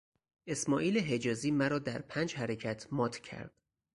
اسماعیل حجازی مرا در پنج حرکت مات کرد.